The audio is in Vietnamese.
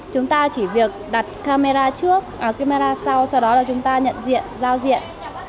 chúng ta chỉ việc đặt camera sau sau đó là chúng ta nhận diện giao diện